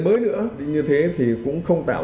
mới nữa như thế thì cũng không tạo